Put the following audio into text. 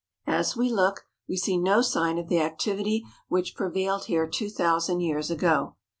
As we look, we see no sign of the activity which pre vailed here two thousand years ago.